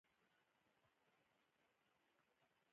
هغوی یوځای د ښایسته سرود له لارې سفر پیل کړ.